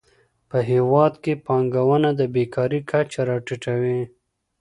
په هیواد کې پانګونه د بېکارۍ کچه راټیټوي.